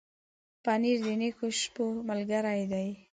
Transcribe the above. پنېر د نېکو شپو ملګری دی.